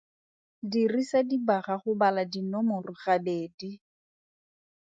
Dirisa dibaga go bala dinomore gabedi.